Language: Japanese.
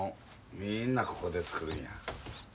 みんなここでつくるんや。